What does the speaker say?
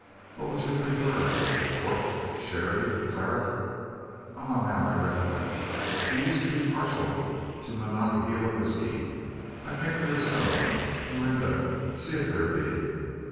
What would you prefer port, sherry, claret? Ah, now, if I recollect, you used to be partial to Monongahela whisky. I think there is some. Morinda, see if there be!